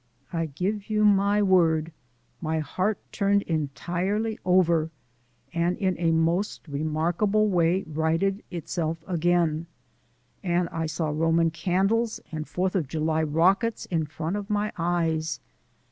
I give you my word, my heart turned entirely over, and in a most remarkable way righted itself again; and I saw Roman candles and Fourth of July rockets in front of my eyes.